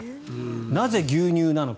なぜ牛乳なのか。